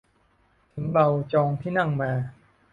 ถึงเราจองที่นั่งมา